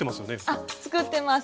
あっ作ってます